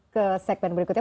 ke segmen berikutnya